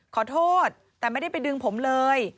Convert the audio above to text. ขอโทษแต่ไม่ได้ไปดึงผมเลย